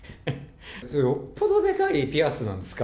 それ、よっぽどでかいピアスなんですか？